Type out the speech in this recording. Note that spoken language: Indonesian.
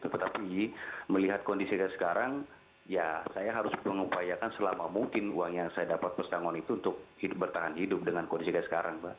tetapi melihat kondisi sekarang saya harus mengupayakan selama mungkin uang yang saya dapat untuk bertahan hidup dengan kondisi sekarang